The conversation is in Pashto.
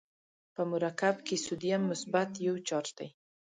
په مرکب کې سودیم مثبت یو چارج دی.